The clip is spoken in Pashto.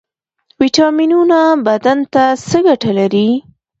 ویټامینونه بدن ته څه ګټه لري؟